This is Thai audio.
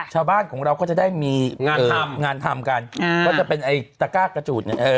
ชาวบ้านของเราก็จะได้มีงานทำกันก็จะเป็นไอ้ตระก้ากระจูด